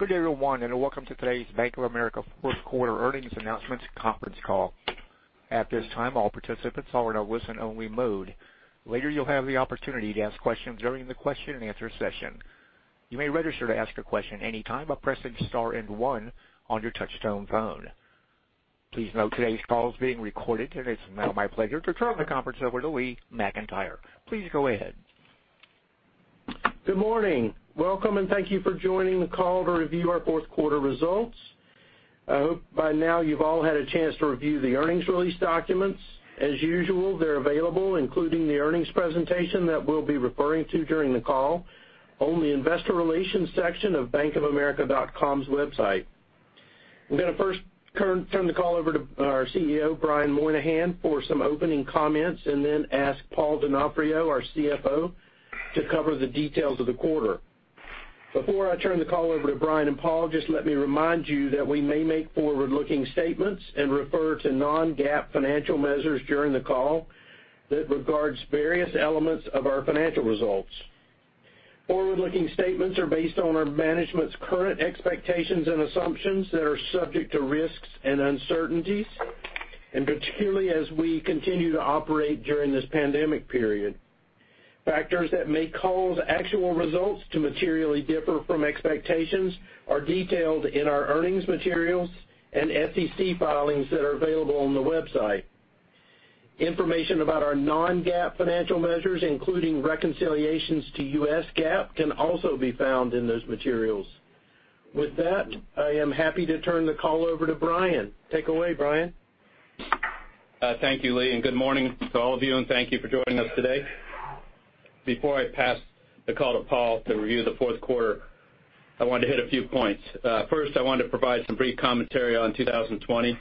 Good day everyone, welcome to today's Bank of America fourth quarter earnings announcements conference call. At this time, all participants are in a listen-only mode. Later, you'll have the opportunity to ask questions during the question and answer session. You may register to ask a question anytime by pressing star and one on your touch-tone phone. Please note today's call is being recorded. It's now my pleasure to turn the conference over to Lee McEntire. Please go ahead. Good morning. Welcome, and thank you for joining the call to review our fourth quarter results. I hope by now you've all had a chance to review the earnings release documents. As usual, they're available, including the earnings presentation that we'll be referring to during the call, on the investor relations section of bankofamerica.com's website. I'm going to first turn the call over to our CEO, Brian Moynihan, for some opening comments, and then ask Paul Donofrio, our CFO, to cover the details of the quarter. Before I turn the call over to Brian and Paul, just let me remind you that we may make forward-looking statements and refer to non-GAAP financial measures during the call that regards various elements of our financial results. Forward-looking statements are based on our management's current expectations and assumptions that are subject to risks and uncertainties, and particularly as we continue to operate during this pandemic period. Factors that may cause actual results to materially differ from expectations are detailed in our earnings materials and SEC filings that are available on the website. Information about our non-GAAP financial measures, including reconciliations to U.S. GAAP, can also be found in those materials. With that, I am happy to turn the call over to Brian. Take away, Brian. Thank you, Lee, and good morning to all of you, and thank you for joining us today. Before I pass the call to Paul to review the fourth quarter, I wanted to hit a few points. First, I wanted to provide some brief commentary on 2020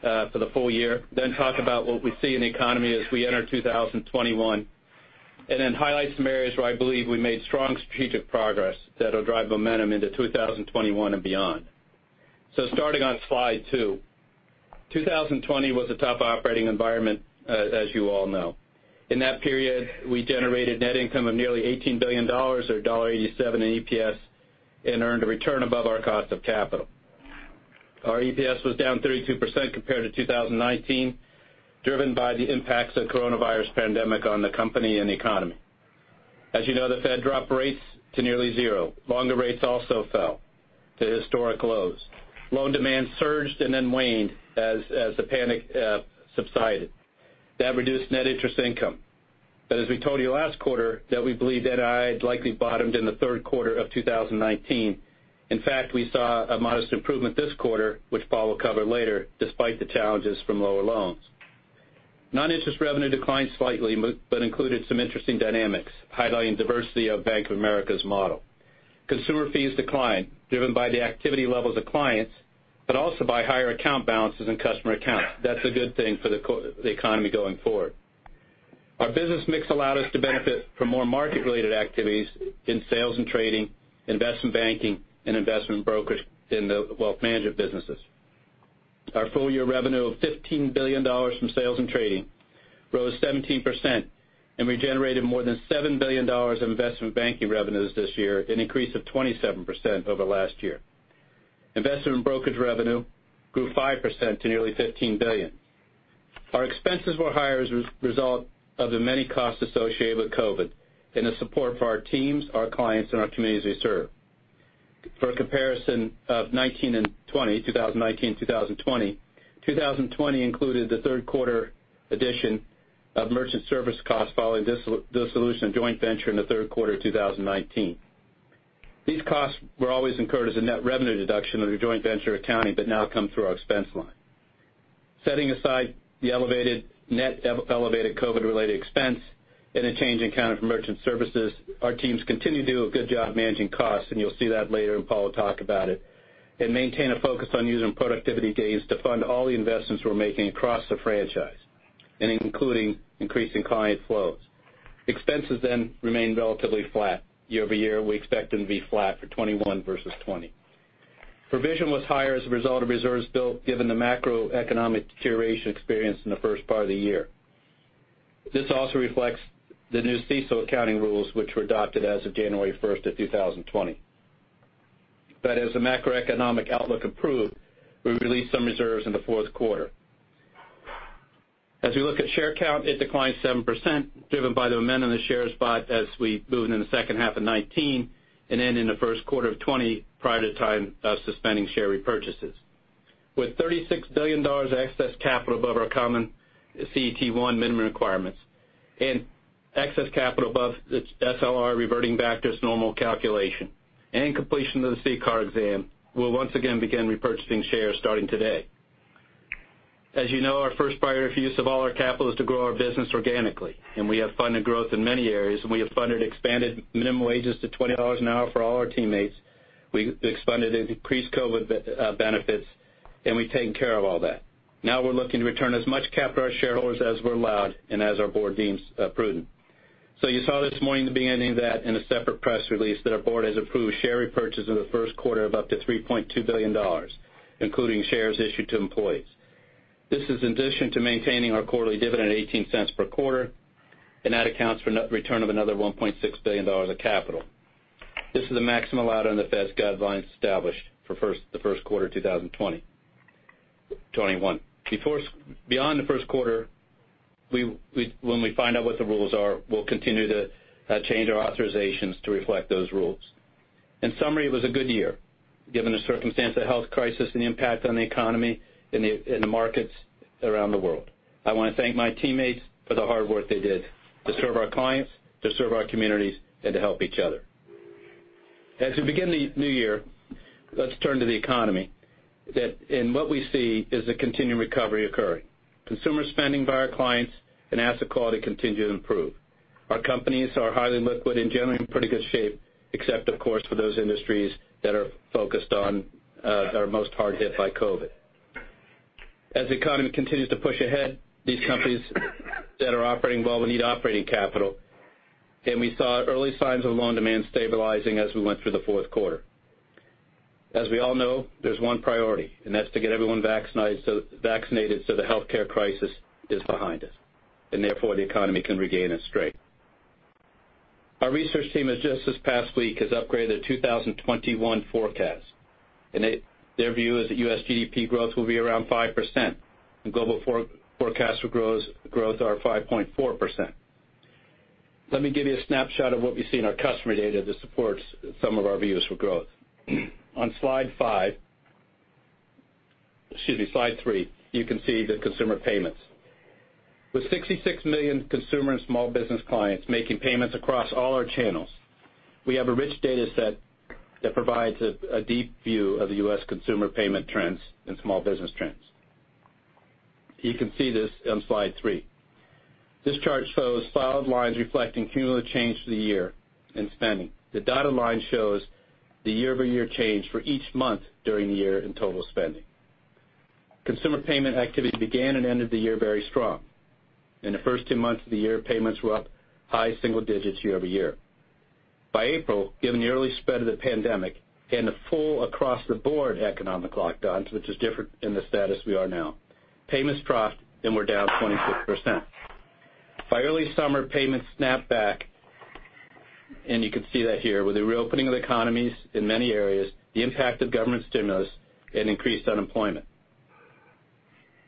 for the full year, then talk about what we see in the economy as we enter 2021, and then highlight some areas where I believe we made strong strategic progress that'll drive momentum into 2021 and beyond. Starting on slide 2. 2020 was a tough operating environment, as you all know. In that period, we generated net income of nearly $18 billion, or $1.87 in EPS, and earned a return above our cost of capital. Our EPS was down 32% compared to 2019, driven by the impacts of coronavirus pandemic on the company and the economy. As you know, the Fed dropped rates to nearly zero. Longer rates also fell to historic lows. Loan demand surged and then waned as the panic subsided. That reduced net interest income. As we told you last quarter, that we believe NII had likely bottomed in the third quarter of 2019. In fact, we saw a modest improvement this quarter, which Paul will cover later, despite the challenges from lower loans. Non-interest revenue declined slightly, but included some interesting dynamics, highlighting diversity of Bank of America's model. Consumer fees declined, driven by the activity levels of clients, but also by higher account balances in customer accounts. That's a good thing for the economy going forward. Our business mix allowed us to benefit from more market-related activities in sales and trading, investment banking, and investment brokerage in the Wealth Management businesses. Our full-year revenue of $15 billion from sales and trading rose 17%. We generated more than $7 billion of investment banking revenues this year, an increase of 27% over last year. Investment brokerage revenue grew 5% to nearly $15 billion. Our expenses were higher as a result of the many costs associated with COVID and the support for our teams, our clients, and our communities we serve. For a comparison of 2019 and 2020, 2019, 2020 included the third quarter addition of merchant service costs following dissolution of joint venture in the third quarter of 2019. These costs were always incurred as a net revenue deduction under joint venture accounting. Now, come through our expense line. Setting aside the elevated net elevated COVID-related expense and a change in accounting for merchant services, our teams continue to do a good job managing costs, and you'll see that later, and Paul will talk about it, and maintain a focus on using productivity gains to fund all the investments we're making across the franchise, and including increasing client flows. Expenses remain relatively flat year-over-year. We expect them to be flat for 2021 versus 2020. Provision was higher as a result of reserves built given the macroeconomic deterioration experienced in the first part of the year. This also reflects the new CECL accounting rules, which were adopted as of January 1st of 2020. As the macroeconomic outlook improved, we released some reserves in the fourth quarter. As we look at share count, it declined 7%, driven by the amount of the shares bought as we moved into the second half of 2019, in the first quarter of 2020, prior to the time of suspending share repurchases. With $36 billion of excess capital above our common CET1 minimum requirements, excess capital above SLR reverting back to its normal calculation, and completion of the CCAR exam, we'll once again begin repurchasing shares starting today. As you know, our first priority for use of all our capital is to grow our business organically. We have funded growth in many areas. We have funded expanded minimum wages to $20 an hour for all our teammates. We expanded the increased COVID benefits. We've taken care of all that. Now, we're looking to return as much capital to our shareholders as we're allowed and as our board deems prudent. You saw this morning the beginning of that in a separate press release, that our board has approved share repurchase in the first quarter of up to $3.2 billion, including shares issued to employees. This is in addition to maintaining our quarterly dividend of $0.18 per quarter, and that accounts for net return of another $1.6 billion of capital. This is the maximum allowed on the Fed's guidelines established for the first quarter 2021. Beyond the first quarter, when we find out what the rules are, we'll continue to change our authorizations to reflect those rules. In summary, it was a good year given the circumstance of the health crisis and the impact on the economy in the markets around the world. I want to thank my teammates for the hard work they did to serve our clients, to serve our communities, and to help each other. As we begin the new year, let's turn to the economy. What we see is a continuing recovery occurring. Consumer spending by our clients and asset quality continue to improve. Our companies are highly liquid and generally in pretty good shape, except of course, for those industries that are most hard hit by COVID. As the economy continues to push ahead, these companies that are operating well will need operating capital. We saw early signs of loan demand stabilizing as we went through the fourth quarter. As we all know, there's one priority, and that's to get everyone vaccinated so the healthcare crisis is behind us, and therefore, the economy can regain its strength. Our research team just this past week has upgraded the 2021 forecast, and their view is that U.S. GDP growth will be around 5%, and global forecasts for growth are 5.4%. Let me give you a snapshot of what we see in our customer data that supports some of our views for growth. On slide 5, excuse me, slide 3, you can see the consumer payments. With 66 million consumer and small business clients making payments across all our channels, we have a rich data set that provides a deep view of the U.S. consumer payment trends and small business trends. You can see this on slide 3. This chart shows solid lines reflecting cumulative change for the year in spending. The dotted line shows the year-over-year change for each month during the year in total spending. Consumer payment activity began and ended the year very strong. In the first two months of the year, payments were up high single digits year-over-year. By April, given the early spread of the pandemic and the full across-the-board economic lockdowns, which is different in the status we are now, payments dropped and were down 26%. By early summer, payments snapped back, and you can see that here with the reopening of the economies in many areas, the impact of government stimulus, and increased unemployment.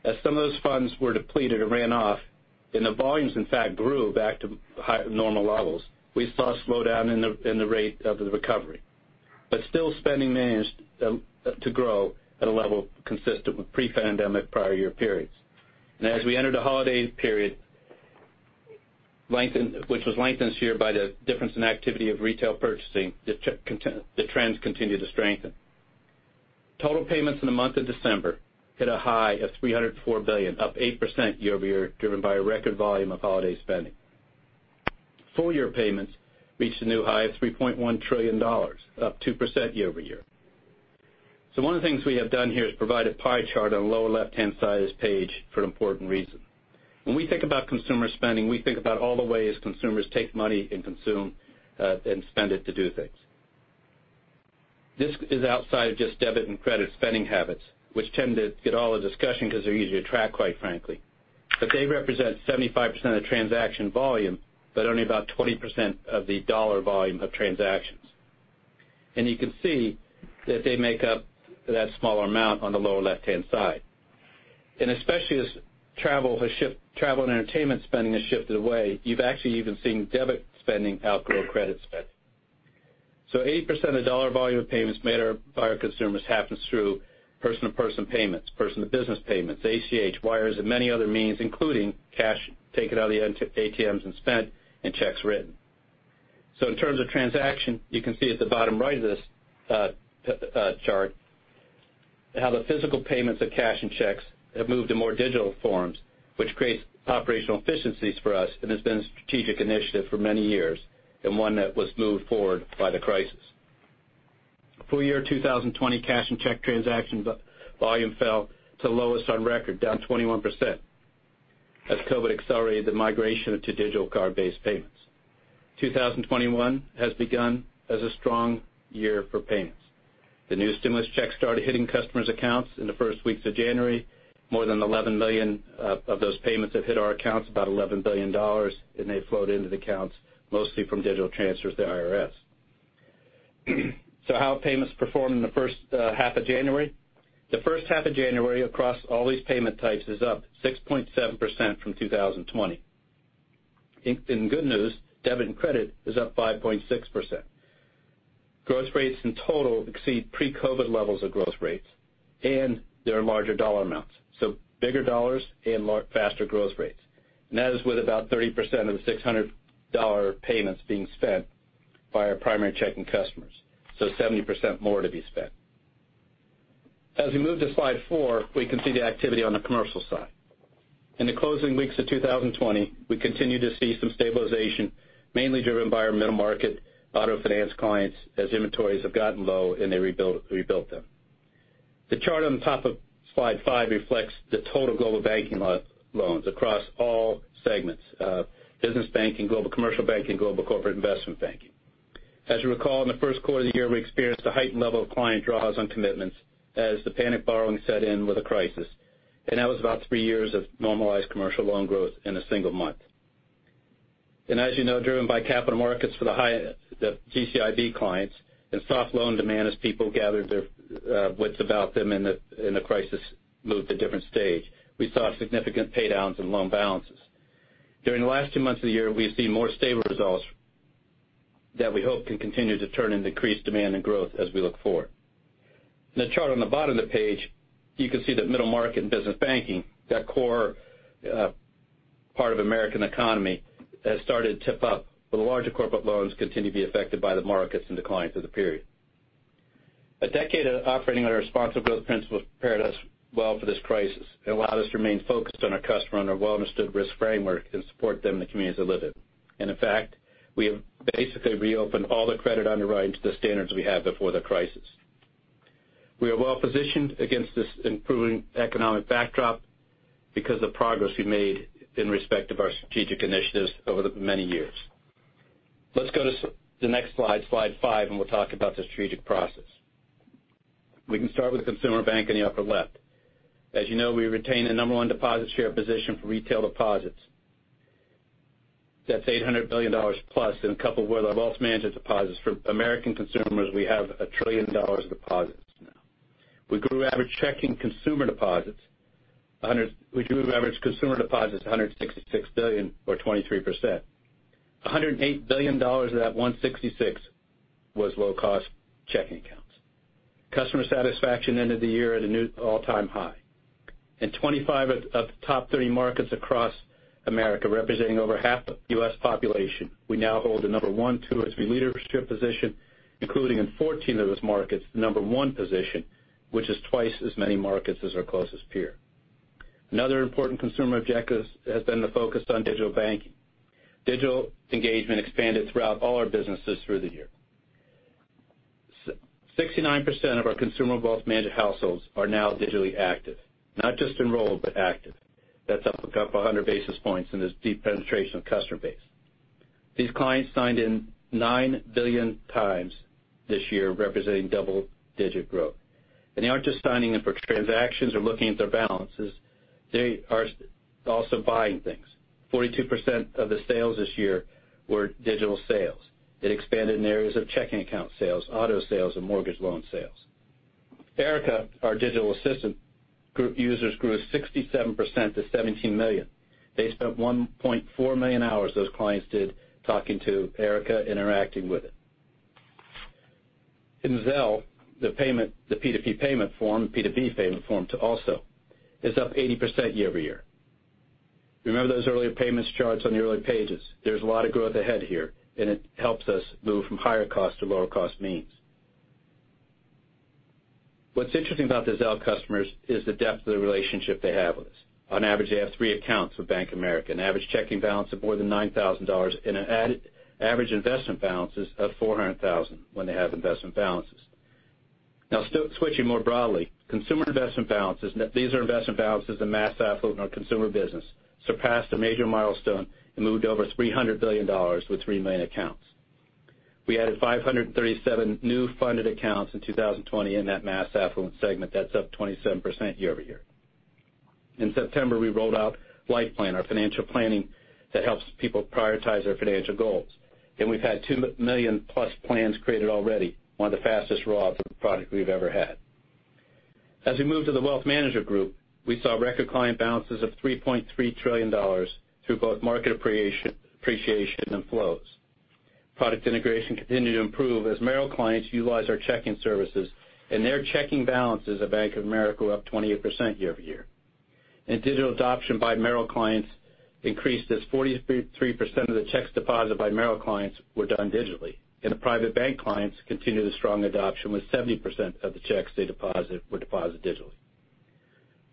As some of those funds were depleted or ran off, and the volumes in fact grew back to normal levels, we saw a slowdown in the rate of the recovery. But still spending managed to grow at a level consistent with pre-pandemic prior year periods. And as we entered the holiday period which was lengthened this year by the difference in activity of retail purchasing, the trends continued to strengthen. Total payments in the month of December hit a high of $304 billion, up 8% year-over-year, driven by a record volume of holiday spending. Full year payments reached a new high of $3.1 trillion, up 2% year-over-year. One of the things we have done here is provide a pie chart on the lower left-hand side of this page for an important reason. When we think about consumer spending, we think about all the ways consumers take money and consume and spend it to do things. This is outside of just debit and credit spending habits, which tend to get all the discussion because they're easy to track, quite frankly. They represent 75% of the transaction volume, but only about 20% of the dollar volume of transactions. You can see that they make up that smaller amount on the lower left-hand side. Especially as travel and entertainment spending has shifted away, you've actually even seen debit spending outgrow credit spending. 80% of the dollar volume of payments made by our consumers happens through person-to-person payments, person-to-business payments, ACH, wires, and many other means, including cash taken out of the ATMs and spent, and checks written. In terms of transaction, you can see at the bottom right of this chart how the physical payments of cash and checks have moved to more digital forms, which creates operational efficiencies for us and has been a strategic initiative for many years, and one that was moved forward by the crisis. Full year 2020 cash and check transactions volume fell to the lowest on record, down 21%, as COVID accelerated the migration to digital card-based payments. 2021 has begun as a strong year for payments. The new stimulus checks started hitting customers' accounts in the first weeks of January. More than 11 million of those payments have hit our accounts, about $11 billion. They flowed into the accounts mostly from digital transfers to IRS. How have payments performed in the first half of January? The first half of January across all these payment types is up 6.7% from 2020. In good news, debit and credit is up 5.6%. Growth rates in total exceed pre-COVID levels of growth rates. There are larger dollar amounts. Bigger dollars and faster growth rates. That is with about 30% of the $600 payments being spent by our primary checking customers. 70% more to be spent. As we move to slide 4, we can see the activity on the commercial side. In the closing weeks of 2020, we continued to see some stabilization, mainly driven by our middle market auto finance clients as inventories have gotten low and they rebuilt them. The chart on the top of slide 5 reflects the total Global Banking loans across all segments, Business Banking, Global Commercial Banking, Global Corporate Investment Banking. As you recall, in the first quarter of the year, we experienced a heightened level of client draws on commitments as the panic borrowing set in with the crisis. That was about three years of normalized commercial loan growth in a single month. As you know, driven by capital markets for the GCIB clients, and soft loan demand as people gathered their wits about them in the crisis moved a different stage, we saw significant paydowns in loan balances. During the last two months of the year, we've seen more stable results that we hope can continue to turn into increased demand and growth as we look forward. In the chart on the bottom of the page, you can see that middle market and business banking, that core part of American economy, has started to tip up, but the larger corporate loans continue to be affected by the markets and the clients of the period. A decade of operating under a responsible growth principle has prepared us well for this crisis. It allowed us to remain focused on our customer and our well-understood risk framework and support them in the communities they live in. In fact, we have basically reopened all the credit underwriting to the standards we had before the crisis. We are well-positioned against this improving economic backdrop because of progress we made in respect of our strategic initiatives over the many years. Let's go to the next slide 5, and we'll talk about the strategic process. We can start with Consumer Banking in the upper left. As you know, we retain the number one deposit share position for retail deposits. That's $800 billion+, and coupled with our Wealth Management deposits for American consumers, we have $1 trillion of deposits now. We grew average consumer deposits to $166 billion or 23%. $108 billion of that 166 was low-cost checking accounts. Customer satisfaction ended the year at a new all-time high. In 25 of the top 30 markets across America, representing over half the U.S. population, we now hold the number one, two or three leadership position, including in 14 of those markets, the number one position, which is twice as many markets as our closest peer. Another important consumer objective has been the focus on digital banking. Digital engagement expanded throughout all our businesses through the year. 69% of our Consumer Wealth Management households are now digitally active, not just enrolled, but active. That's up a couple of hundred basis points in this deep penetration of customer base. These clients signed in 9 billion times this year, representing double-digit growth. They aren't just signing in for transactions or looking at their balances. They are also buying things. 42% of the sales this year were digital sales. It expanded in areas of checking account sales, auto sales, and mortgage loan sales. Erica, our digital assistant, group users grew 67% to 17 million. They spent 1.4 million hours, those clients did, talking to Erica, interacting with it. In Zelle, the P2P payment form also, is up 80% year-over-year. Remember those earlier payments charts on the early pages. There's a lot of growth ahead here. It helps us move from higher cost to lower cost means. What's interesting about the Zelle customers is the depth of the relationship they have with us. On average, they have three accounts with Bank of America, an average checking balance of more than $9,000, and an average investment balances of $400,000 when they have investment balances. Now, switching more broadly, consumer investment balances, these are investment balances in mass affluent in our consumer business, surpassed a major milestone and moved over $300 billion with 3 million accounts. We added 537 new funded accounts in 2020 in that mass affluent segment. That's up 27% year-over-year. In September, we rolled out Life Plan, our financial planning that helps people prioritize their financial goals. We've had 2 million+ plans created already, one of the fastest roll-outs of a product we've ever had. As we move to the Wealth Management group, we saw record client balances of $3.3 trillion through both market appreciation and flows. Product integration continued to improve as Merrill clients utilized our checking services, and their checking balances at Bank of America were up 28% year-over-year. Digital adoption by Merrill clients increased as 43% of the checks deposited by Merrill clients were done digitally. The Private Bank clients continued a strong adoption with 70% of the checks they deposited were deposited digitally.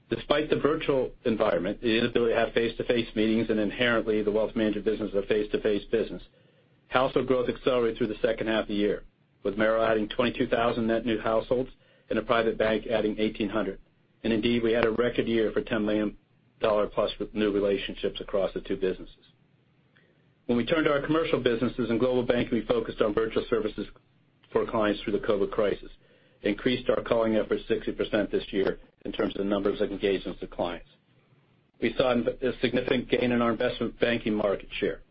Despite the virtual environment, the inability to have face-to-face meetings, and inherently the Wealth Management business is a face-to-face business. Household growth accelerated through the second half of the year, with Merrill adding 22,000 net new households and a Private Bank adding 1,800. Indeed, we had a record year for $10 million+ with new relationships across the two businesses. When we turned to our commercial businesses and Global Banking, we focused on virtual services for clients through the COVID crisis. Increased our calling effort 60% this year in terms of the numbers of engagements with clients. We saw a significant gain in our investment banking market share.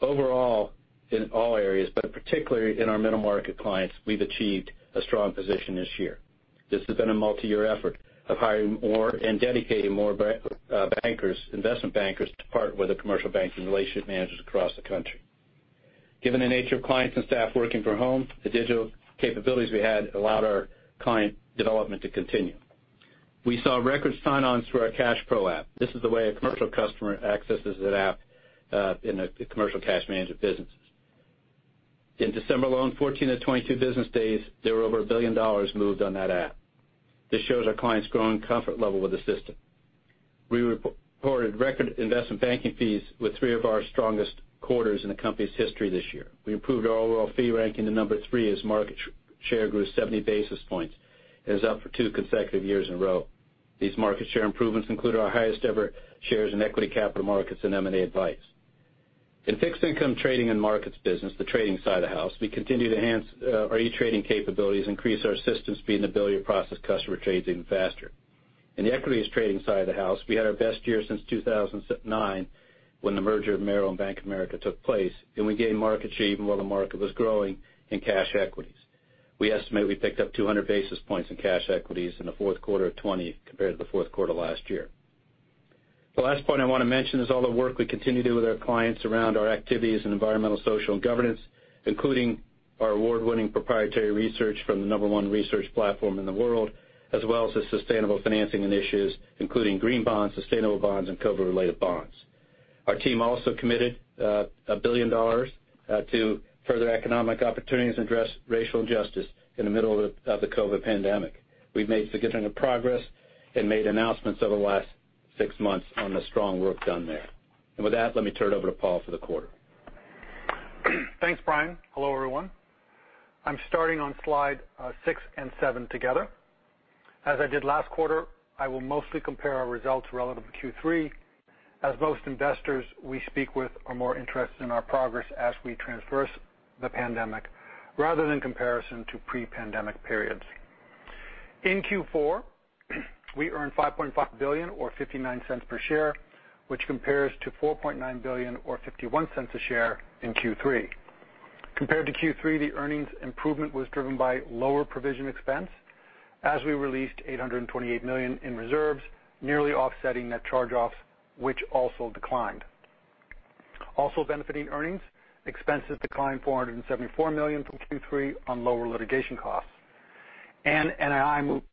Overall, in all areas, but particularly in our middle-market clients, we've achieved a strong position this year. This has been a multi-year effort of hiring more and dedicating more investment bankers to partner with the commercial banking relationship managers across the country. Given the nature of clients and staff working from home, the digital capabilities we had allowed our client development to continue. We saw record sign-ons for our CashPro app. This is the way a commercial customer accesses that app in the commercial cash management businesses. In December alone, 14 of the 22 business days, there were over $1 billion moved on that app. This shows our clients' growing comfort level with the system. We reported record investment banking fees with three of our strongest quarters in the company's history this year. We improved our overall fee ranking to number three as market share grew 70 basis points. It was up for two consecutive years in a row. These market share improvements include our highest-ever shares in equity capital markets and M&A advice. In fixed income trading and markets business, the trading side of the house, we continue to enhance our e-trading capabilities, increase our systems speed, and ability to process customer trades even faster. In the equities trading side of the house, we had our best year since 2009, when the merger of Merrill and Bank of America took place, and we gained market share even while the market was growing in cash equities. We estimate we picked up 200 basis points in cash equities in the fourth quarter of 2020 compared to the fourth quarter last year. The last point I want to mention is all the work we continue to do with our clients around our activities in environmental, social, and governance, including our award-winning proprietary research from the number one research platform in the world, as well as the sustainable financing initiatives, including green bonds, sustainable bonds, and COVID-related bonds. Our team also committed $1 billion to further economic opportunities to address racial justice in the middle of the COVID pandemic. We've made significant progress and made announcements over the last six months on the strong work done there. With that, let me turn it over to Paul for the quarter. Thanks, Brian. Hello, everyone. I'm starting on slide 6 and 7 together. As I did last quarter, I will mostly compare our results relative to Q3, as most investors we speak with are more interested in our progress as we traverse the pandemic, rather than comparison to pre-pandemic periods. In Q4, we earned $5.5 billion or $0.59 per share, which compares to $4.9 billion or $0.51 a share in Q3. Compared to Q3, the earnings improvement was driven by lower provision expense as we released $828 million in reserves, nearly offsetting net charge-offs, which also declined. Also benefiting earnings, expenses declined $474 million from Q3 on lower litigation costs. NII moved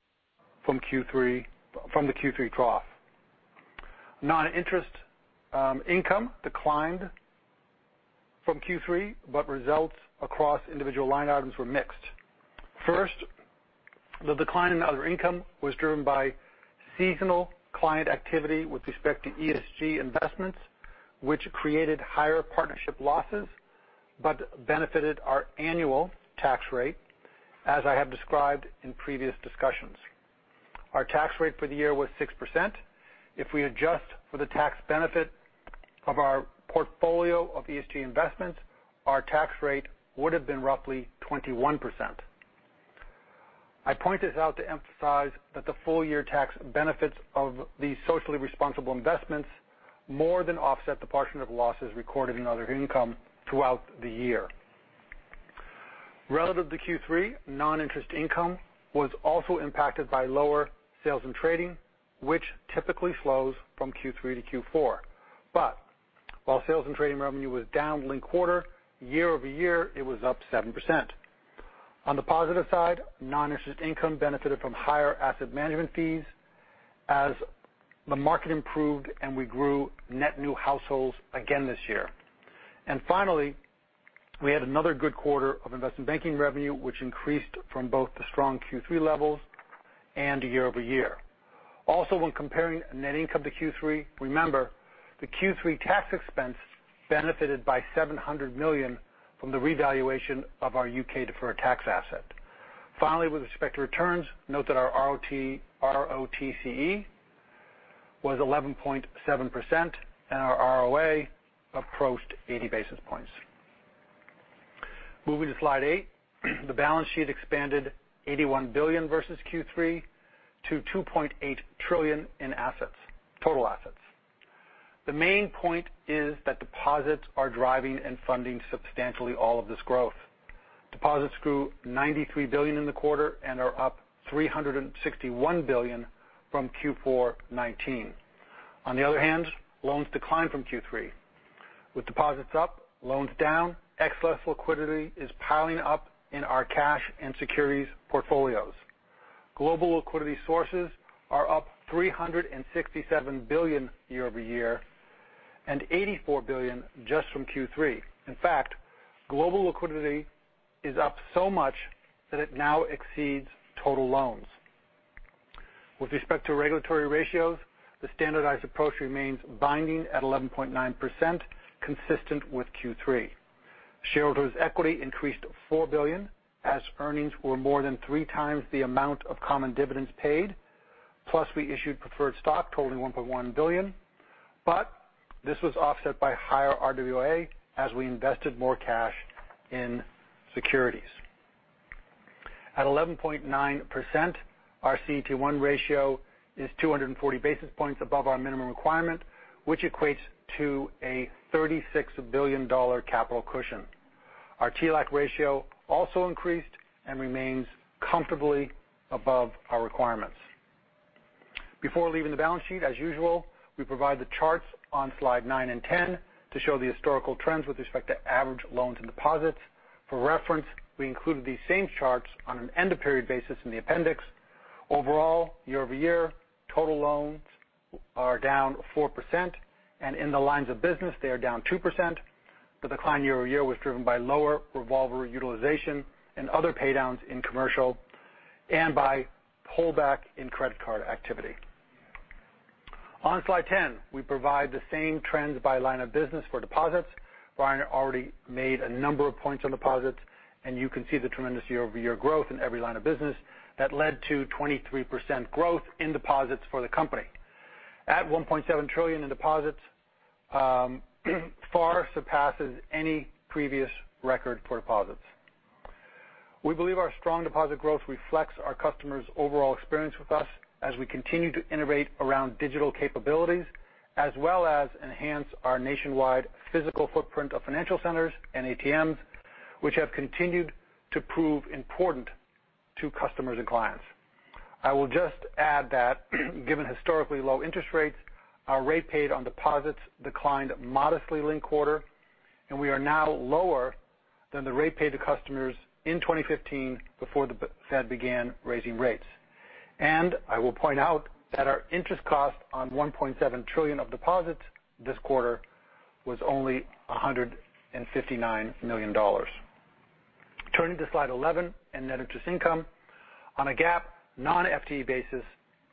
from the Q3 trough. Non-interest income declined from Q3, results across individual line items were mixed. First, the decline in other income was driven by seasonal client activity with respect to ESG investments, which created higher partnership losses, but benefited our annual tax rate, as I have described in previous discussions. Our tax rate for the year was 6%. If we adjust for the tax benefit of our portfolio of ESG investments, our tax rate would've been roughly 21%. I point this out to emphasize that the full-year tax benefits of these socially responsible investments more than offset the portion of losses recorded in other income throughout the year. Relative to Q3, non-interest income was also impacted by lower sales in trading, which typically slows from Q3 to Q4. While sales and trading revenue was down linked quarter, year-over-year, it was up 7%. On the positive side, non-interest income benefited from higher asset management fees as the market improved, and we grew net new households again this year. Finally, we had another good quarter of investment banking revenue, which increased from both the strong Q3 levels and year-over-year. When comparing net income to Q3, remember the Q3 tax expense benefited by $700 million from the revaluation of our U.K. deferred tax asset. Finally, with respect to returns, note that our ROTCE was 11.7%, and our ROA approached 80 basis points. Moving to slide 8. The balance sheet expanded $81 billion versus Q3 to $2.8 trillion in total assets. The main point is that deposits are driving and funding substantially all of this growth. Deposits grew $93 billion in the quarter and are up $361 billion from Q4 2019. On the other hand, loans declined from Q3. With deposits up, loans down, excess liquidity is piling up in our cash and securities portfolios. Global liquidity sources are up $367 billion year-over-year, and $84 billion just from Q3. In fact, global liquidity is up so much that it now exceeds total loans. With respect to regulatory ratios, the standardized approach remains binding at 11.9%, consistent with Q3. Shareholders' equity increased $4 billion, as earnings were more than three times the amount of common dividends paid. Plus, we issued preferred stock totaling $1.1 billion, but this was offset by higher RWA as we invested more cash in securities. At 11.9%, our CET1 ratio is 240 basis points above our minimum requirement, which equates to a $36 billion capital cushion. Our TLAC ratio also increased and remains comfortably above our requirements. Before leaving the balance sheet, as usual, we provide the charts on slide 9 and 10 to show the historical trends with respect to average loans and deposits. For reference, we included these same charts on an end-of-period basis in the appendix. Overall, year-over-year, total loans are down 4%, and in the lines of business, they are down 2%. The decline year-over-year was driven by lower revolver utilization and other paydowns in commercial, and by pullback in credit card activity. On slide 10, we provide the same trends by line of business for deposits. Brian already made a number of points on deposits, and you can see the tremendous year-over-year growth in every line of business that led to 23% growth in deposits for the company. At $1.7 trillion in deposits, far surpasses any previous record for deposits. We believe our strong deposit growth reflects our customers' overall experience with us as we continue to innovate around digital capabilities, as well as enhance our nationwide physical footprint of financial centers and ATMs, which have continued to prove important to customers and clients. I will just add that given historically low interest rates, our rate paid on deposits declined modestly linked quarter, and we are now lower than the rate paid to customers in 2015 before the Fed began raising rates. I will point out that our interest cost on $1.7 trillion of deposits this quarter was only $159 million. Turning to slide 11 in net interest income. On a GAAP, non-FTE basis,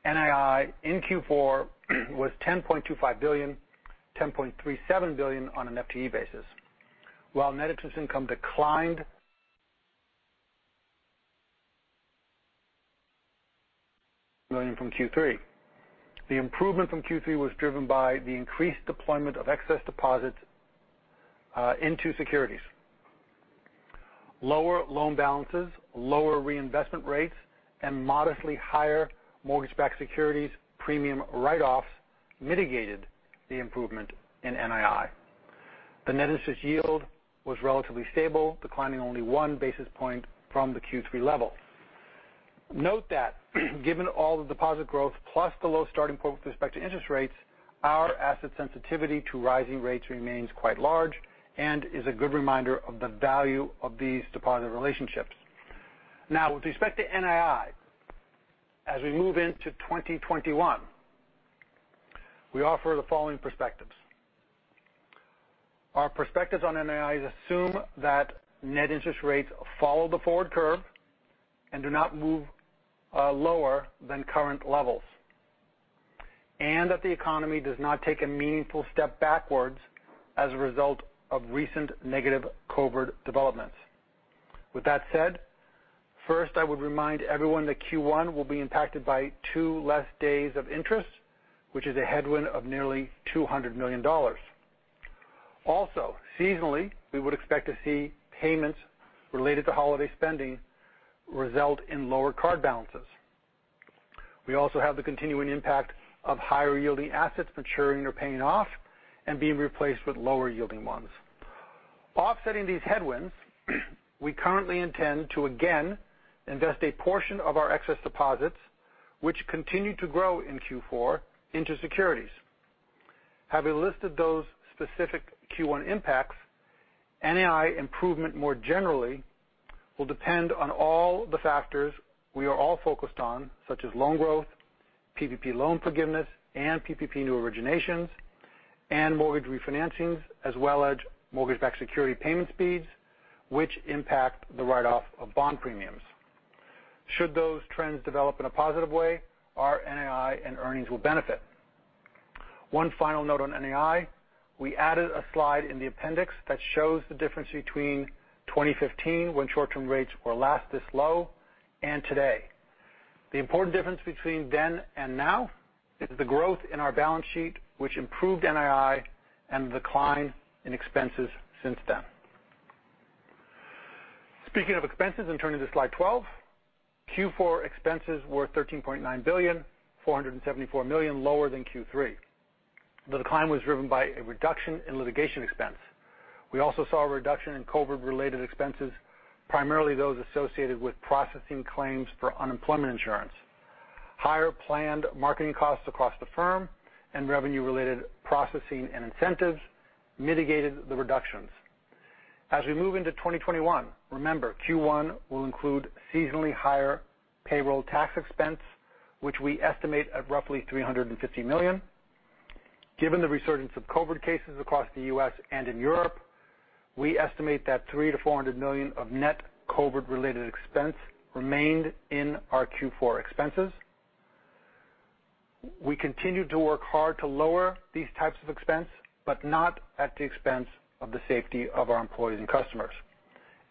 NII in Q4 was $10.25 billion, $10.37 billion on an FTE basis. While net interest income declined million from Q3. The improvement from Q3 was driven by the increased deployment of excess deposits into securities. Lower loan balances, lower reinvestment rates, and modestly higher mortgage-backed securities premium write-offs mitigated the improvement in NII. The net interest yield was relatively stable, declining only one basis point from the Q3 level. Note that given all the deposit growth plus the low starting point with respect to interest rates, our asset sensitivity to rising rates remains quite large and is a good reminder of the value of these deposit relationships. Now, with respect to NII, as we move into 2021, we offer the following perspectives. Our perspectives on NII assume that net interest rates follow the forward curve and do not move lower than current levels, and that the economy does not take a meaningful step backwards as a result of recent negative COVID developments. With that said, first, I would remind everyone that Q1 will be impacted by two less days of interest, which is a headwind of nearly $200 million. Also, seasonally, we would expect to see payments related to holiday spending result in lower card balances. We also have the continuing impact of higher-yielding assets maturing or paying off and being replaced with lower-yielding ones. Offsetting these headwinds, we currently intend to again invest a portion of our excess deposits, which continue to grow in Q4 into securities. Having listed those specific Q1 impacts, NII improvement more generally will depend on all the factors we are all focused on, such as loan growth, PPP loan forgiveness and PPP new originations and mortgage refinancings, as well as mortgage-backed security payment speeds, which impact the write-off of bond premiums. Should those trends develop in a positive way, our NII and earnings will benefit. One final note on NII. We added a slide in the appendix that shows the difference between 2015, when short-term rates were last this low, and today. The important difference between then and now is the growth in our balance sheet, which improved NII and decline in expenses since then. Speaking of expenses and turning to slide 12. Q4 expenses were $13.9 billion, $474 million lower than Q3. The decline was driven by a reduction in litigation expense. We also saw a reduction in COVID-related expenses, primarily those associated with processing claims for unemployment insurance. Higher planned marketing costs across the firm and revenue-related processing and incentives mitigated the reductions. As we move into 2021, remember, Q1 will include seasonally higher payroll tax expense, which we estimate at roughly $350 million. Given the resurgence of COVID cases across the U.S. and in Europe, we estimate that $300 million-$400 million of net COVID-related expense remained in our Q4 expenses. We continue to work hard to lower these types of expense, but not at the expense of the safety of our employees and customers.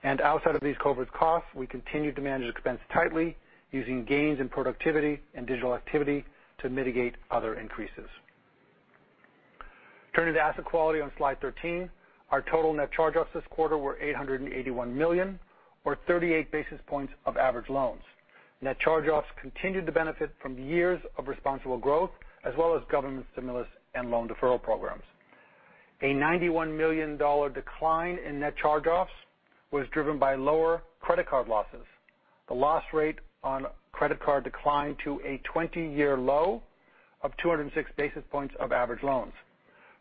Outside of these COVID costs, we continue to manage expense tightly using gains in productivity and digital activity to mitigate other increases. Turning to asset quality on slide 13. Our total net charge-offs this quarter were $881 million or 38 basis points of average loans. Net charge-offs continued to benefit from years of responsible growth as well as government stimulus and loan deferral programs. A $91 million decline in net charge-offs was driven by lower credit card losses. The loss rate on credit card declined to a 20-year low of 206 basis points of average loans.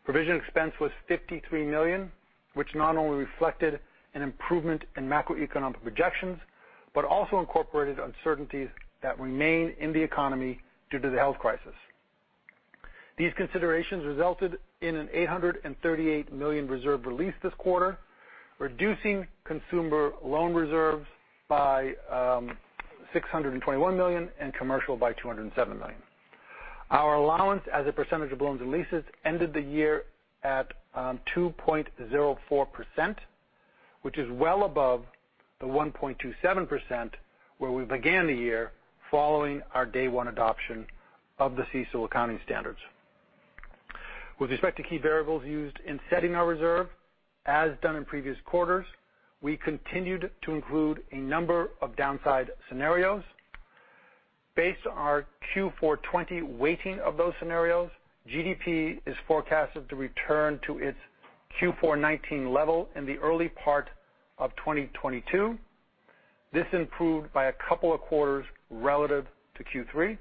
Provision expense was $53 million, which not only reflected an improvement in macroeconomic projections, but also incorporated uncertainties that remain in the economy due to the health crisis. These considerations resulted in an $838 million reserve release this quarter. Reducing consumer loan reserves by $621 million and commercial by $207 million. Our allowance as a percentage of loans and leases ended the year at 2.04%, which is well above the 1.27% where we began the year following our day one adoption of the CECL accounting standards. With respect to key variables used in setting our reserve, as done in previous quarters, we continued to include a number of downside scenarios. Based on our Q4 2020 weighting of those scenarios, GDP is forecasted to return to its Q4 2019 level in the early part of 2022. This improved by a couple of quarters relative to Q3.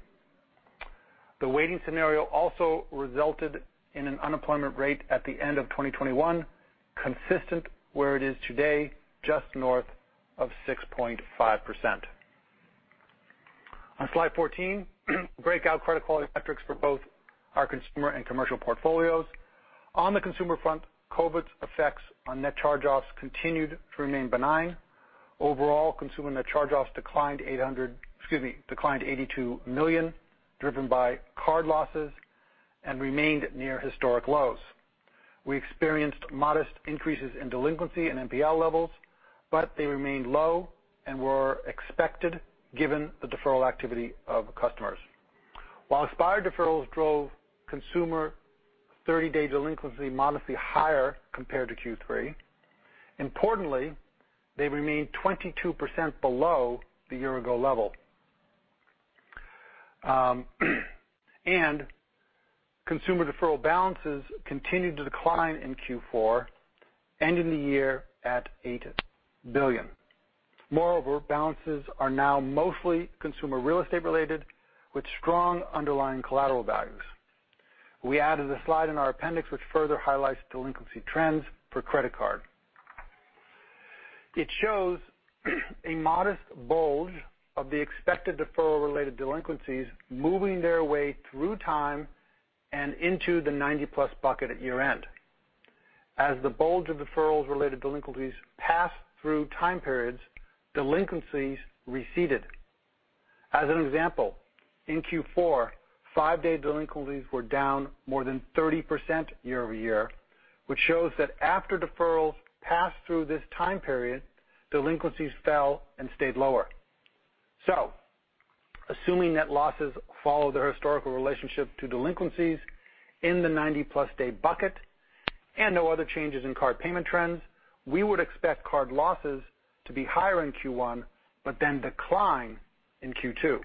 The weighting scenario also resulted in an unemployment rate at the end of 2021, consistent where it is today, just north of 6.5%. On slide 14, breakout credit quality metrics for both our consumer and commercial portfolios. On the consumer front, COVID's effects on net charge-offs continued to remain benign. Overall, consumer net charge-offs declined $82 million, driven by card losses, and remained near historic lows. We experienced modest increases in delinquency and NPL levels, but they remained low and were expected given the deferral activity of customers. While expired deferrals drove consumer 30-day delinquency modestly higher compared to Q3, importantly, they remained 22% below the year-ago level. Consumer deferral balances continued to decline in Q4, ending the year at $8 billion. Moreover, balances are now mostly consumer real estate related, with strong underlying collateral values. We added a slide in our appendix which further highlights delinquency trends for credit card. It shows a modest bulge of the expected deferral-related delinquencies moving their way through time and into the 90+ bucket at year-end. As the bulge of deferrals-related delinquencies passed through time periods, delinquencies receded. As an example, in Q4, five-day delinquencies were down more than 30% year-over-year, which shows that after deferrals passed through this time period, delinquencies fell and stayed lower. Assuming net losses follow their historical relationship to delinquencies in the 90+ day bucket and no other changes in card payment trends, we would expect card losses to be higher in Q1 but then decline in Q2.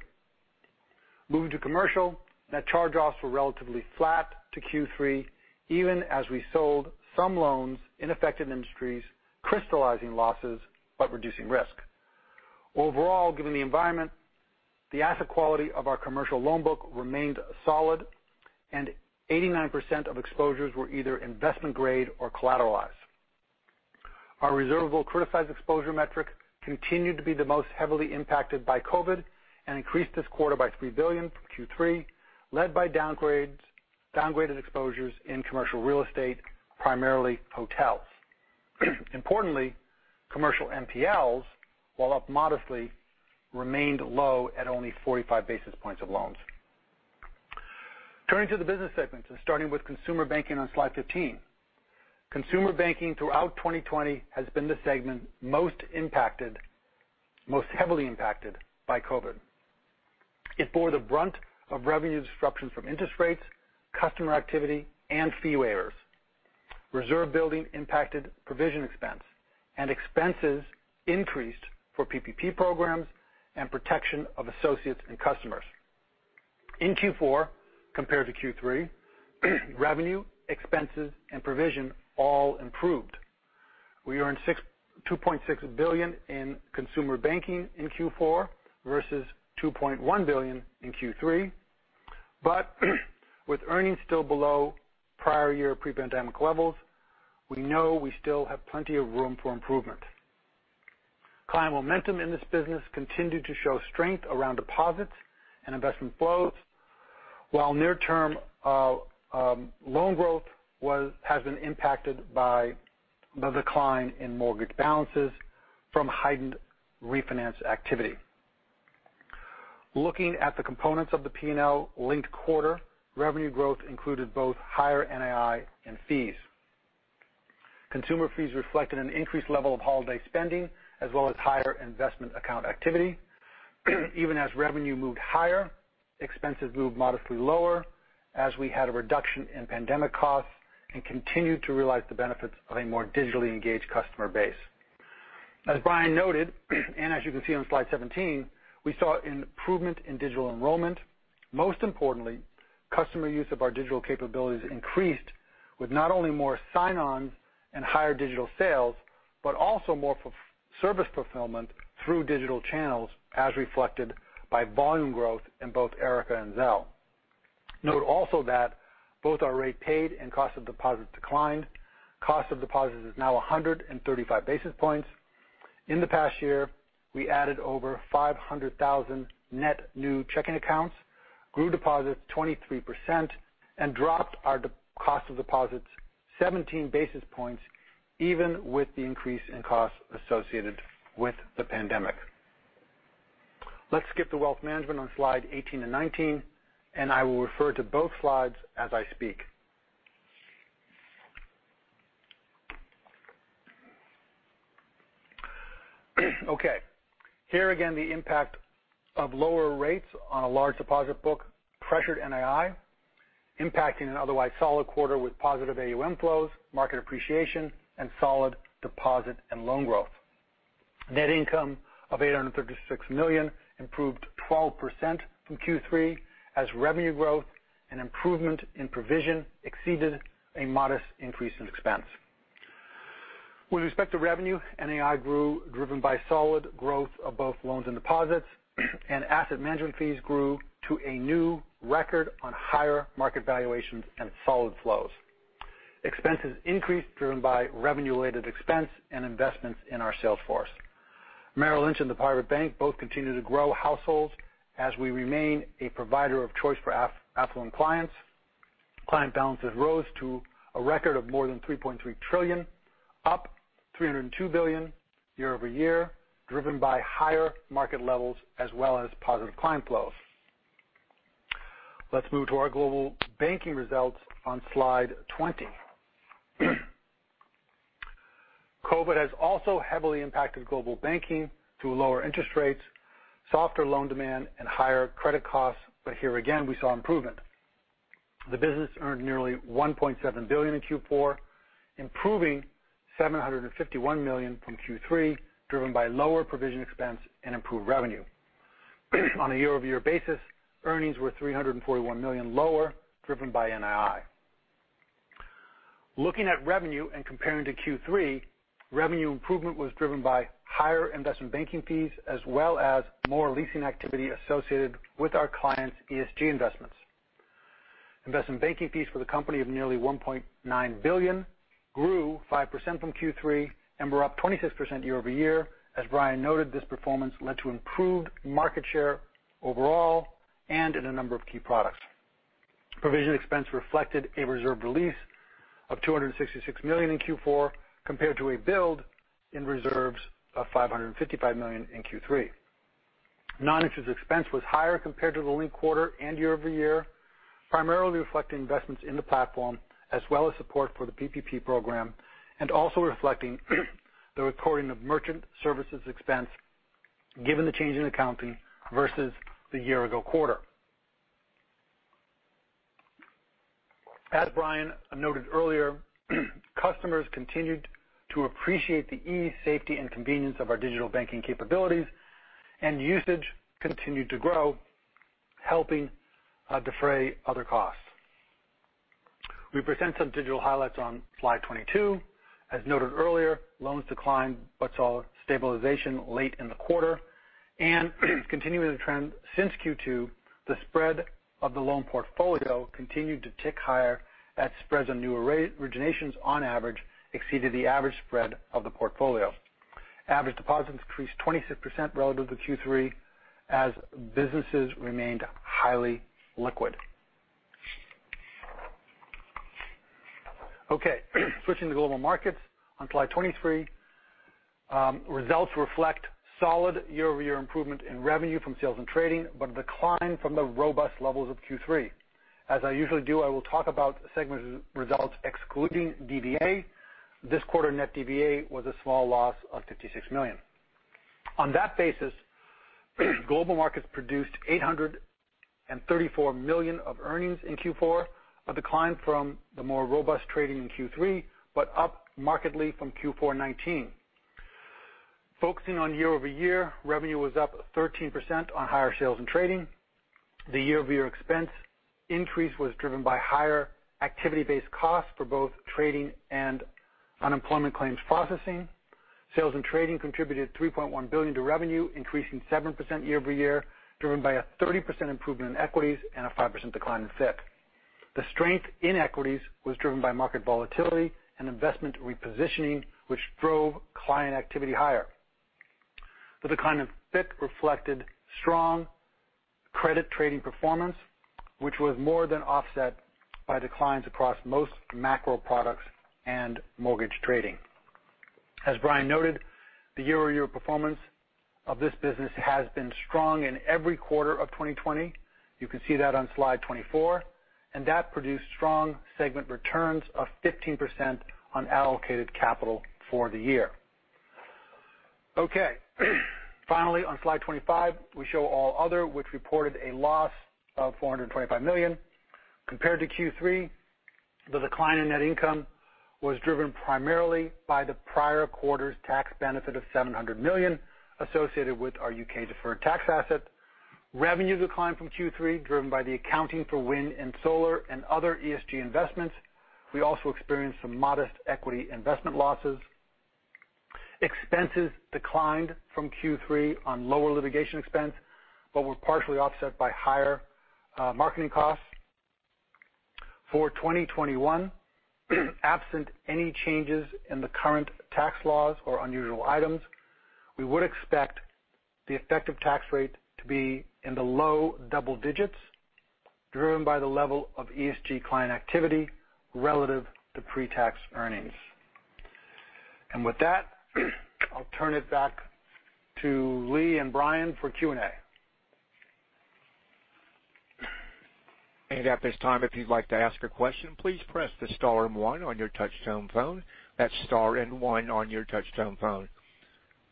Moving to commercial, net charge-offs were relatively flat to Q3, even as we sold some loans in affected industries, crystallizing losses but reducing risk. Overall, given the environment, the asset quality of our commercial loan book remained solid, and 89% of exposures were either investment grade or collateralized. Our reservable criticized exposure metric continued to be the most heavily impacted by COVID and increased this quarter by $3 billion from Q3, led by downgraded exposures in commercial real estate, primarily hotels. Importantly, commercial NPLs, while up modestly, remained low at only 45 basis points of loans. Turning to the business segments and starting with Consumer Banking on slide 15. Consumer Banking throughout 2020 has been the segment most heavily impacted by COVID. It bore the brunt of revenue disruptions from interest rates, customer activity, and fee waivers. Reserve building impacted provision expense, and expenses increased for PPP programs and protection of associates and customers. In Q4 compared to Q3, revenue, expenses, and provision all improved. We earned $2.6 billion in Consumer Banking in Q4 versus $2.1 billion in Q3. With earnings still below prior year pre-pandemic levels, we know we still have plenty of room for improvement. Client momentum in this business continued to show strength around deposits and investment flows, while near-term loan growth has been impacted by the decline in mortgage balances from heightened refinance activity. Looking at the components of the P&L linked quarter, revenue growth included both higher NII and fees. Consumer fees reflected an increased level of holiday spending as well as higher investment account activity. Even as revenue moved higher, expenses moved modestly lower as we had a reduction in pandemic costs and continued to realize the benefits of a more digitally engaged customer base. As Brian noted, and as you can see on slide 17, we saw an improvement in digital enrollment. Most importantly, customer use of our digital capabilities increased with not only more sign-ons and higher digital sales, but also more service fulfillment through digital channels, as reflected by volume growth in both Erica and Zelle. Note also that both our rate paid and cost of deposits declined. Cost of deposits is now 135 basis points. In the past year, we added over 500,000 net new checking accounts, grew deposits 23%, and dropped our cost of deposits 17 basis points, even with the increase in costs associated with the pandemic. Let's skip to Wealth Management on slide 18 and 19. I will refer to both slides as I speak. Okay. Here again, the impact of lower rates on a large deposit book pressured NII, impacting an otherwise solid quarter with positive AUM flows, market appreciation, and solid deposit and loan growth. Net income of $836 million improved 12% from Q3 as revenue growth and improvement in provision exceeded a modest increase in expense. With respect to revenue, NII grew, driven by solid growth of both loans and deposits, and asset management fees grew to a new record on higher market valuations and solid flows. Expenses increased, driven by revenue-related expense and investments in our sales force. Merrill Lynch and the Private Bank both continue to grow households as we remain a provider of choice for affluent clients. Client balances rose to a record of more than $3.3 trillion, up $302 billion year-over-year, driven by higher market levels as well as positive client flows. Let's move to our Global Banking results on slide 20. COVID has also heavily impacted Global Banking through lower interest rates, softer loan demand, and higher credit costs, but here again, we saw improvement. The business earned nearly $1.7 billion in Q4, improving $751 million from Q3, driven by lower provision expense and improved revenue. On a year-over-year basis, earnings were $341 million lower, driven by NII. Looking at revenue and comparing to Q3, revenue improvement was driven by higher investment banking fees, as well as more leasing activity associated with our clients' ESG investments. Investment banking fees for the company of nearly $1.9 billion grew 5% from Q3 and were up 26% year-over-year. As Brian noted, this performance led to improved market share overall and in a number of key products. Provision expense reflected a reserve release of $266 million in Q4 compared to a build in reserves of $555 million in Q3. Non-interest expense was higher compared to the linked quarter and year-over-year, primarily reflecting investments in the platform as well as support for the PPP program, and also reflecting the recording of merchant services expense given the change in accounting versus the year-ago quarter. As Brian noted earlier, customers continued to appreciate the ease, safety, and convenience of our digital banking capabilities, and usage continued to grow, helping defray other costs. We present some digital highlights on slide 22. As noted earlier, loans declined but saw stabilization late in the quarter. Continuing the trend since Q2, the spread of the loan portfolio continued to tick higher as spreads on new originations on average exceeded the average spread of the portfolio. Average deposits increased 26% relative to Q3 as businesses remained highly liquid. Okay. Switching to Global Markets on slide 23. Results reflect solid year-over-year improvement in revenue from sales and trading, but a decline from the robust levels of Q3. As I usually do, I will talk about segment results excluding DVA. This quarter net DVA was a small loss of $56 million. On that basis, Global Markets produced $834 million of earnings in Q4, a decline from the more robust trading in Q3, but up markedly from Q4 2019. Focusing on year-over-year, revenue was up 13% on higher sales and trading. The year-over-year expense increase was driven by higher activity-based costs for both trading and unemployment claims processing. Sales and trading contributed $3.1 billion to revenue, increasing 7% year-over-year, driven by a 30% improvement in equities and a 5% decline in FICC. The strength in equities was driven by market volatility and investment repositioning, which drove client activity higher. The decline in FICC reflected strong credit trading performance, which was more than offset by declines across most macro products and mortgage trading. As Brian noted, the year-over-year performance of this business has been strong in every quarter of 2020. You can see that on slide 24. That produced strong segment returns of 15% on allocated capital for the year. Okay. Finally, on slide 25, we show All Other, which reported a loss of $425 million. Compared to Q3, the decline in net income was driven primarily by the prior quarter's tax benefit of $700 million associated with our U.K. deferred tax asset. Revenue declined from Q3, driven by the accounting for wind and solar and other ESG investments. We also experienced some modest equity investment losses. Expenses declined from Q3 on lower litigation expense but were partially offset by higher marketing costs. For 2021, absent any changes in the current tax laws or unusual items, we would expect the effective tax rate to be in the low double digits, driven by the level of ESG client activity relative to pre-tax earnings. With that, I'll turn it back to Lee and Brian for Q&A. At this time, if you'd like to ask a question, please press the star and one on your touchtone phone. That's star and one on your touchtone phone.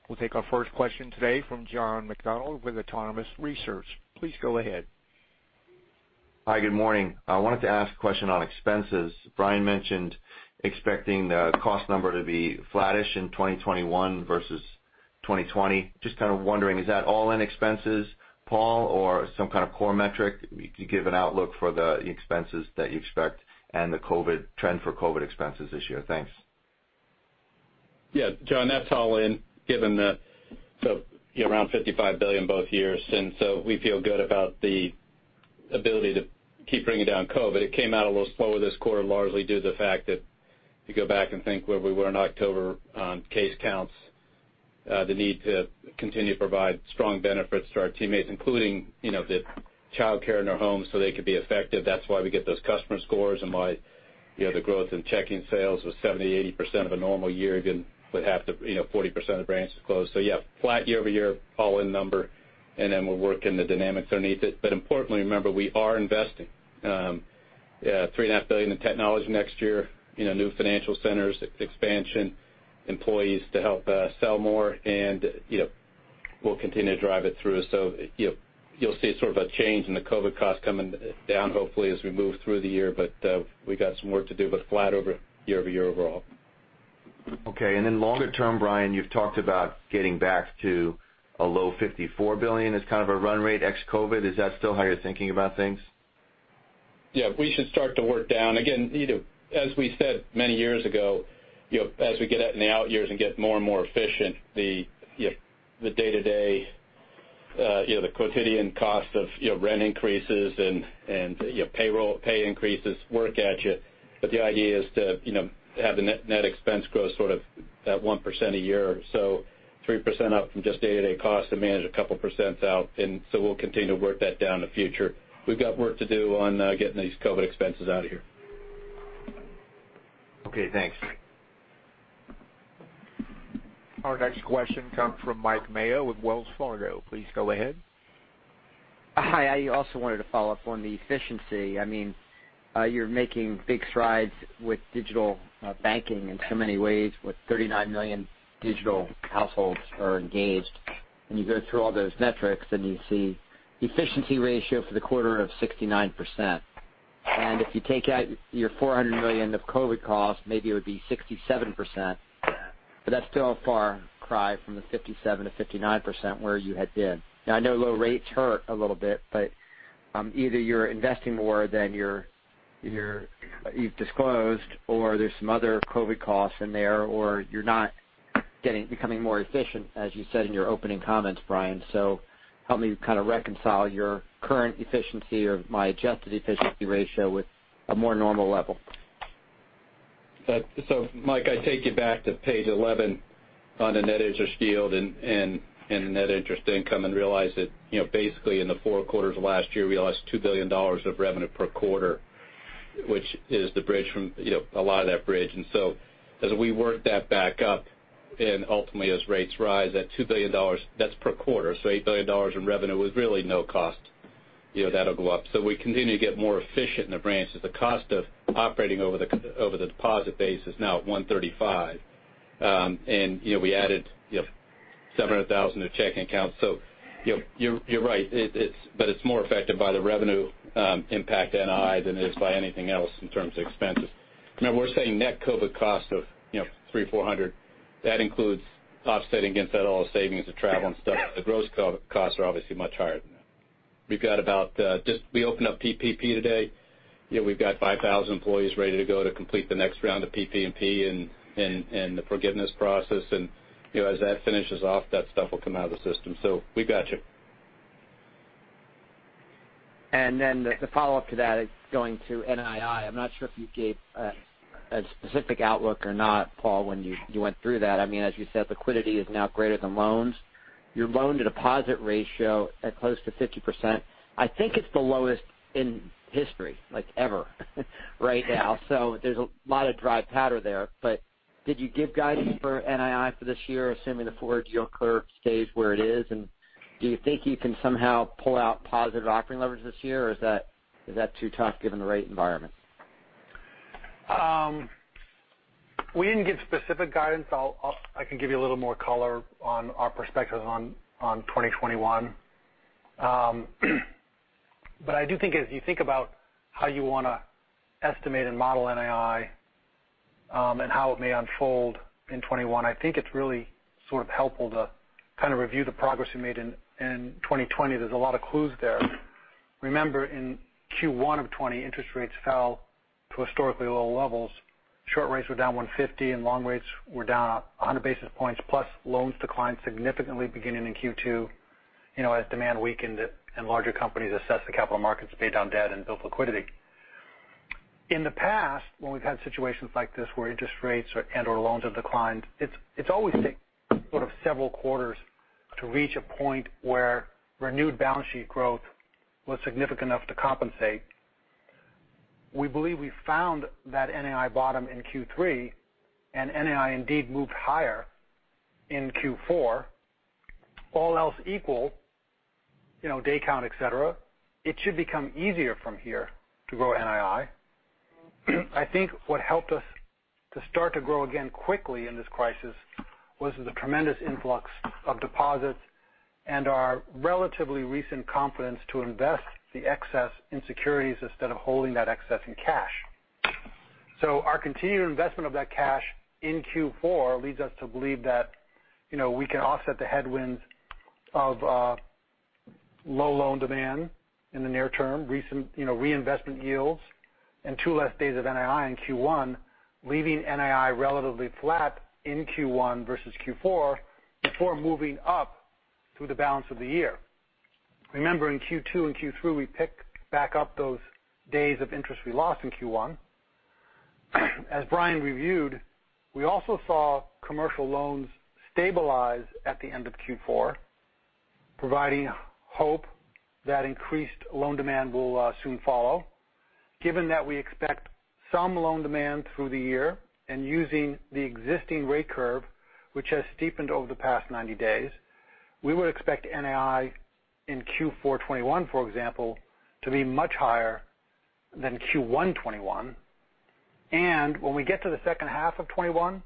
We'll take our first question today from John McDonald with Autonomous Research. Please go ahead. Hi, good morning. I wanted to ask a question on expenses. Brian mentioned expecting the cost number to be flattish in 2021 versus 2020. Just kind of wondering, is that all-in expenses, Paul, or some kind of core metric? If you could give an outlook for the expenses that you expect and the trend for COVID expenses this year. Thanks. John, that's all in, given the around $55 billion both years. We feel good about the ability to keep bringing down COVID. It came out a little slower this quarter, largely due to the fact that if you go back and think where we were in October on case counts, the need to continue to provide strong benefits to our teammates, including the childcare in their homes so they could be effective. That's why we get those customer scores and why the growth in checking sales was 70%, 80% of a normal year given 40% of the branches closed. Yeah, flat year-over-year all-in number, and then we're working the dynamics underneath it. Importantly, remember, we are investing. $3.5 billion in technology next year, new financial centers, expansion, employees to help sell more, and we'll continue to drive it through. You'll see sort of a change in the COVID cost coming down hopefully as we move through the year. We got some work to do, but flat over year-over-year overall. Okay. Longer term, Brian, you've talked about getting back to a low $54 billion as kind of a run rate ex-COVID. Is that still how you're thinking about things? We should start to work down. Again, as we said many years ago, as we get in the out years and get more and more efficient, the day-to-day, the quotidian cost of rent increases and pay increases work at you. The idea is to have the net expense growth sort of at 1% a year. 3% up from just day-to-day costs to manage a couple percent out. We'll continue to work that down in the future. We've got work to do on getting these COVID expenses out of here. Okay, thanks. Our next question comes from Mike Mayo with Wells Fargo. Please go ahead. Hi. I also wanted to follow up on the efficiency. You're making big strides with digital banking in so many ways, with 39 million digital households are engaged. When you go through all those metrics, you see efficiency ratio for the quarter of 69%. If you take out your $400 million of COVID costs, maybe it would be 67%. That's still a far cry from the 57%-59% where you had been. Now, I know low rates hurt a little bit, but either you're investing more than you've disclosed, or there's some other COVID costs in there, or you're not becoming more efficient, as you said in your opening comments, Brian. Help me kind of reconcile your current efficiency or my adjusted efficiency ratio with a more normal level. Mike, I take you back to page 11 on the net interest yield and the net interest income, and realize that basically in the four quarters of last year, we lost $2 billion of revenue per quarter, which is a lot of that bridge. As we work that back up, and ultimately as rates rise, that $2 billion, that's per quarter, so $8 billion in revenue with really no cost. That'll go up. We continue to get more efficient in the branches. The cost of operating over the deposit base is now at 135. We added 700,000 new checking accounts. You're right. It's more affected by the revenue impact NII than it is by anything else in terms of expenses. Remember, we're saying net COVID cost of $300 or $400. That includes offsetting against that all the savings of travel and stuff. The gross COVID costs are obviously much higher than that. We opened up PPP today. We've got 5,000 employees ready to go to complete the next round of PPP and the forgiveness process. As that finishes off, that stuff will come out of the system. We've got you. The follow-up to that is going to NII. I'm not sure if you gave a specific outlook or not, Paul, when you went through that. As you said, liquidity is now greater than loans. Your loan-to-deposit ratio at close to 50%. I think it's the lowest in history, like ever, right now. There's a lot of dry powder there. Did you give guidance for NII for this year, assuming the forward yield curve stays where it is? Do you think you can somehow pull out positive operating leverage this year, or is that too tough given the rate environment? We didn't give specific guidance. I can give you a little more color on our perspective on 2021. I do think as you think about how you want to estimate and model NII, and how it may unfold in 2021, I think it's really sort of helpful to kind of review the progress we made in 2020. There's a lot of clues there. Remember, in Q1 of 2020, interest rates fell to historically low levels. Short rates were down 150, and long rates were down 100 basis points, plus loans declined significantly beginning in Q2. As demand weakened and larger companies assessed the capital markets, paid down debt, and built liquidity. In the past, when we've had situations like this where interest rates and/or loans have declined, it's always taken sort of several quarters to reach a point where renewed balance sheet growth was significant enough to compensate. We believe we found that NII bottom in Q3. NII indeed moved higher in Q4. All else equal, day count, et cetera, it should become easier from here to grow NII. I think what helped us to start to grow again quickly in this crisis was the tremendous influx of deposits and our relatively recent confidence to invest the excess in securities instead of holding that excess in cash. Our continued investment of that cash in Q4 leads us to believe that we can offset the headwinds of low loan demand in the near term, recent reinvestment yields, and two less days of NII in Q1, leaving NII relatively flat in Q1 versus Q4 before moving up through the balance of the year. Remember, in Q2 and Q3, we pick back up those days of interest we lost in Q1. As Brian reviewed, we also saw commercial loans stabilize at the end of Q4, providing hope that increased loan demand will soon follow. Given that we expect some loan demand through the year and using the existing rate curve, which has steepened over the past 90 days, we would expect NII in Q4 2021, for example, to be much higher than Q1 2021. When we get to the second half of 2021,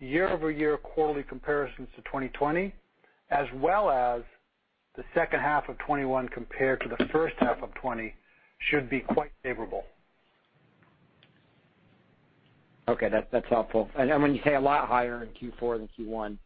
year-over-year quarterly comparisons to 2020, as well as the second half of 2021 compared to the first half of 2020 should be quite favorable. Okay. That's helpful. When you say a lot higher in Q4 than Q1?